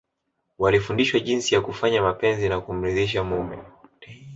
Walifundishwa jinsi ya kufanya mapenzi na kumridhisha mume